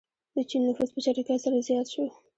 د چین نفوس په چټکۍ سره زیات شو.